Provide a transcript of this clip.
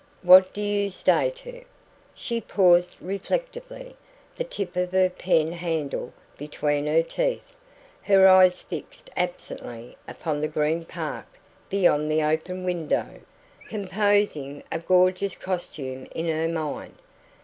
What do you stay to " She paused reflectively, the tip of her pen handle between her teeth, her eyes fixed absently upon the green park beyond the open window, composing a gorgeous costume in her mind.